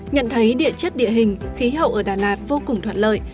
nhận thấy địa chất địa hình khí hậu ở đà lạt vô cùng thoạt lợi